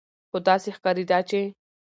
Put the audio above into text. خو داسې ښکارېده چې